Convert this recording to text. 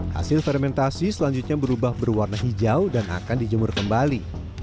hasil fermentasi selanjutnya berubah berwarna hijau dan akan dijemur kembali